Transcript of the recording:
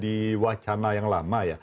diwacana yang lama ya